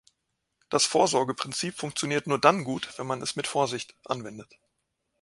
Das Vorsorgeprinzip funktioniert nur dann gut, wenn man es mit Vorsicht anwendet.